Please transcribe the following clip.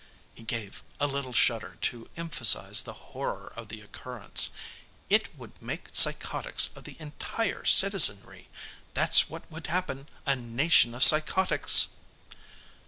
He gave a little shudder to emphasize the horror of the occurrence. "It would make psychotics of the entire citizenry! That's what would happen a nation of psychotics!"